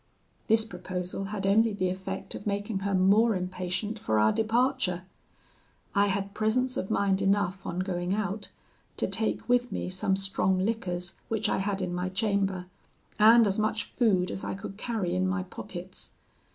"This proposal had only the effect of making her more impatient for our departure. I had presence of mind enough, on going out, to take with me some strong liquors which I had in my chamber, and as much food as I could carry in my pockets.